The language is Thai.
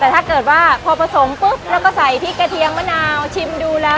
แต่ถ้าเกิดว่าพอผสมปุ๊บแล้วก็ใส่พริกกระเทียมมะนาวชิมดูแล้ว